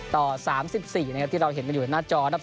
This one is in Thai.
๓๐๓๔ที่เราเห็นอยู่หน้าจอ